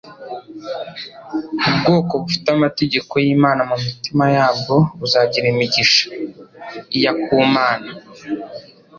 Ubwoko bufite amategeko y'Imana mu mitima ya bwo buzagira imigisha iya ku Mana.